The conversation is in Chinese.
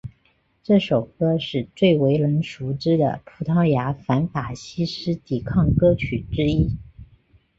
这首歌是最为人熟知的葡萄牙反法西斯抵抗歌曲之一。